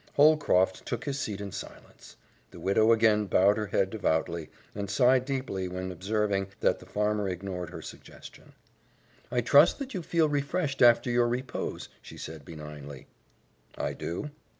Holcroft took his seat in silence. The widow again bowed her head devoutly, and sighed deeply when observing that the farmer ignored her suggestion. "I trust that you feel refreshed after your repose," she said benignly. "I do."